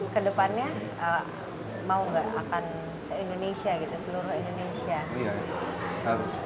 kedepannya mau nggak akan se indonesia gitu seluruh indonesia